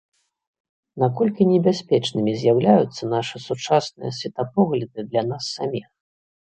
Наколькі небяспечнымі з'яўляюцца нашы сучасныя светапогляды для нас саміх.